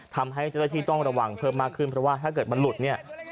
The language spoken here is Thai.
ทำให้เจ้าหน้าที่ต้องระวังเพิ่มมากขึ้นเพราะว่าถ้าเกิดมันหลุดเนี่ย